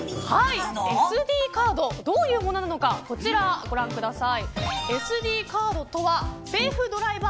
ＳＤカードどういうものなのかこちら、ご覧ください。